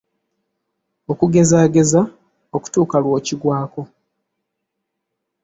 Okugezaageza okutuuka lw'okigwako